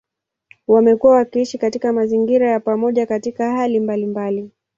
Wamekuwa wakiishi katika mazingira ya pamoja katika hali mbalimbali.